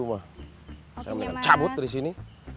saya melihat cabut dari sini